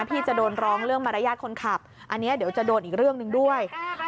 พี่จะโดนร้องเรื่องมารยาทคนขับอันนี้เดี๋ยวจะโดนอีกเรื่องหนึ่งด้วย